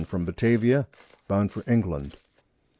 from Batavia, bound for England.